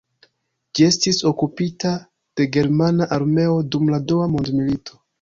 Ĝi estis okupita de Germana armeo dum la Dua mondmilito.